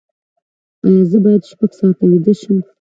ایا زه باید شپږ ساعته ویده شم؟